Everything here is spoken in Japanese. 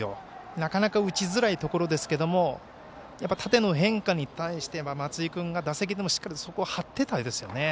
なかなか打ちづらいところですが縦の変化に対して松井君が打席でもしっかりそこを張っていましたよね。